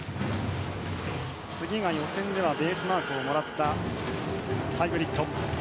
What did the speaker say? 次が予選ではベースマークをもらったハイブリッド。